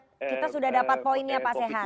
kita sudah dapat poinnya pak sehat